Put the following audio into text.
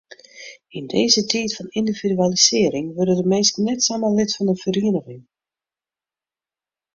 Yn dizze tiid fan yndividualisearring wurde de minsken net samar lid fan in feriening.